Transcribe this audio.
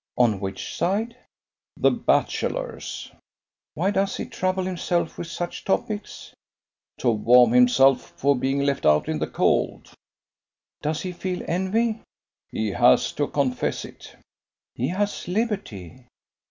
"On which side?" "The bachelor's." "Why does he trouble himself with such topics?" "To warm himself for being left out in the cold." "Does he feel envy?" "He has to confess it." "He has liberty."